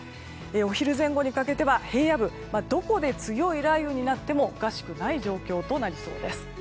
お昼前後にかけては平野部、どこで強い雨になってもおかしくない状況となりそうです。